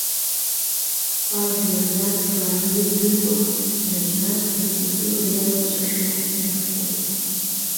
Ажәлар инарҭбаан ирдыруа, наџьнатә ркультура иалаҵәахьоу мифқәоуп.